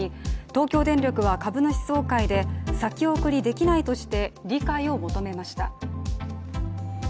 東京電力は株主総会で先送りできないとして理解を求めました。